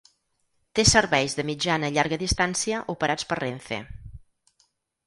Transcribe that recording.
Té serveis de mitjana i llarga distància operats per Renfe.